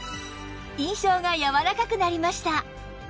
印象がやわらかくなりました